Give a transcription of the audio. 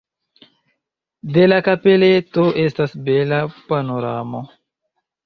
De la kapeleto estas bela panoramo.